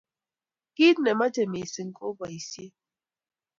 Kiit nemache missing ko boisiet